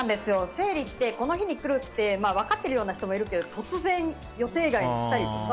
生理ってこの日に来るって分かっているような人もいるけど突然、予定外に来たりとか